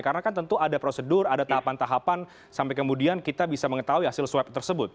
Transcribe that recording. karena kan tentu ada prosedur ada tahapan tahapan sampai kemudian kita bisa mengetahui hasil swab tersebut